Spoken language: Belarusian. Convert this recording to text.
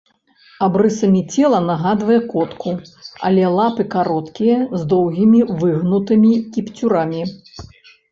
Абрысамі цела нагадвае котку, але лапы кароткія, з доўгімі выгнутымі кіпцюрамі.